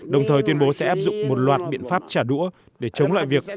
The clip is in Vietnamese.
đồng thời tuyên bố sẽ áp dụng một loạt biện pháp trả đũa để chống lại việc